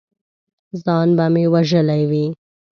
ځان به مې وژلی وي!